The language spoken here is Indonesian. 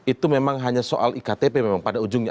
itu memang hanya soal iktp memang pada ujungnya